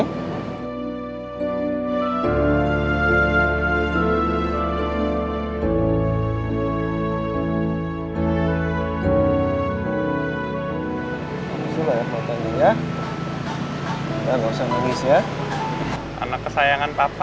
hai selalu ya kalau tadi ya dan usah menangis ya anak kesayangan papa